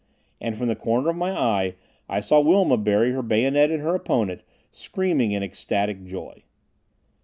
And from the corner of my eye I saw Wilma bury her bayonet in her opponent, screaming in ecstatic joy.